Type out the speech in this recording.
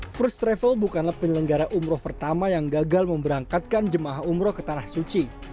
first travel bukanlah penyelenggara umroh pertama yang gagal memberangkatkan jemaah umroh ke tanah suci